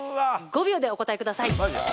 ５秒でお答えください。